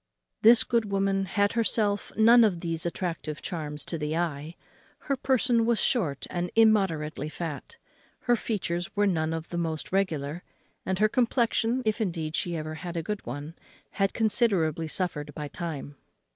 This good woman had herself none of these attractive charms to the eye. Her person was short and immoderately fat; her features were none of the most regular; and her complexion (if indeed she ever had a good one) had considerably suffered by time.